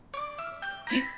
えっ。